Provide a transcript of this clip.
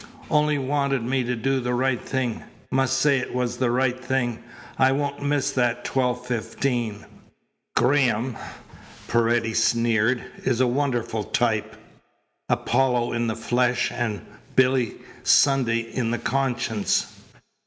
Only wanted me to do the right thing. Must say it was the right thing. I won't miss that twelve fifteen." "Graham," Paredes sneered, "is a wonderful type Apollo in the flesh and Billy Sunday in the conscience."